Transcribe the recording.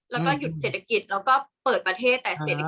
แล้วก็หยุดเศรษฐกิจแล้วก็เปิดประเทศ